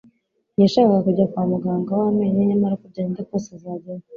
Ntiyashakaga kujya kwa muganga w'amenyo, nyamara uko byagenda kose azajyayo.